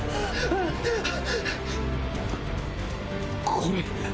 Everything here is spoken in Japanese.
これ！